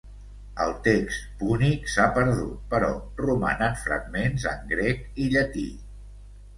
El text púnic s'ha perdut però romanen fragments en grec i llatí.